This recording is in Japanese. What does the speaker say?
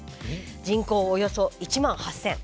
人口およそ１万８，０００。